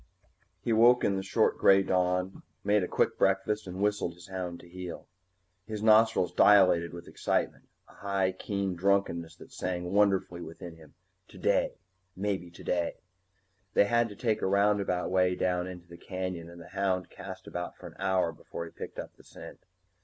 He woke in the short gray dawn, made a quick breakfast, and whistled his hound to heel. His nostrils dilated with excitement, a high keen drunkenness that sang wonderfully within him. Today maybe today! They had to take a roundabout way down into the canyon and the hound cast about for an hour before he picked up the scent.